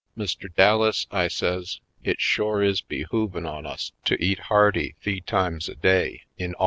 Mr. Dallas," I says, "it shore is behoovin' on us to eat hearty th'ee times a day in awder 48